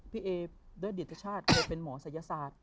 พี่เอด้วยดิตชาติเคยเป็นหมอศัยศาสตร์